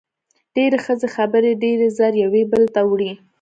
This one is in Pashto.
ډېری ښځې خبرې ډېرې زر یوې بلې ته وړي.